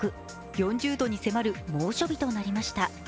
４０度に迫る猛暑日となりました。